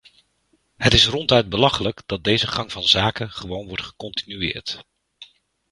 Het is ronduit belachelijk dat deze gang van zaken gewoon wordt gecontinueerd.